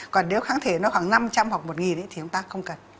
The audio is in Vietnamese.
còn nếu kháng thể nó khoảng năm trăm linh hoặc một thì chúng ta không cần